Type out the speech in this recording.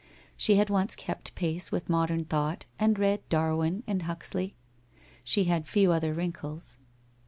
She had once kept pace with modern thought and read Darwin and Huxley. She had few other wrinkles.